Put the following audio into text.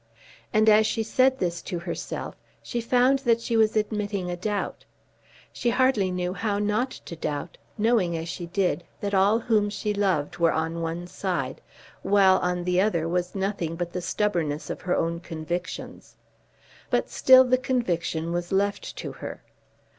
And as she said this to herself she found that she was admitting a doubt. She hardly knew how not to doubt, knowing, as she did, that all whom she loved were on one side, while on the other was nothing but the stubbornness of her own convictions. But still the conviction was left to her.